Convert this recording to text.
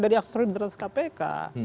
dari aksi aksi di depan kpk